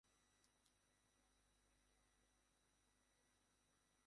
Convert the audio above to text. সর্বোপরি তিনি ছিলেন মন্ত্রীর স্ত্রী।